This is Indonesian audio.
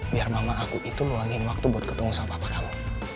biar mama aku itu meluangin waktu buat ketemu sama papa kamu